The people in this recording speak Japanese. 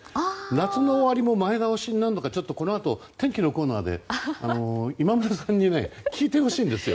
夏の終わりも前倒しになるのかこのあと天気のコーナーで今村さんに聞いてほしいんです。